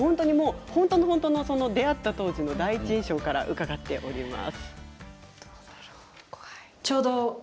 出会った当時の第一印象から伺っております。